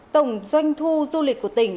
tổng doanh thu du lịch của tỉnh